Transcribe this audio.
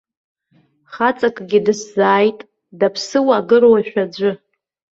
Хаҵакгьы дысзааит, даԥсыуа-агыруашәа аӡәы.